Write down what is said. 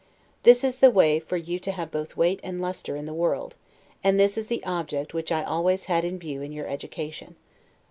This is the way for you to have both weight and lustre in the world; and this is the object which I always had in view in your education.